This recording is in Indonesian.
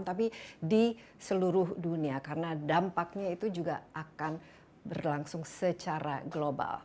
tapi di seluruh dunia karena dampaknya itu juga akan berlangsung secara global